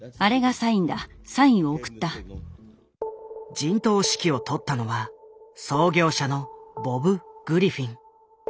陣頭指揮を執ったのは創業者のボブ・グリフィン。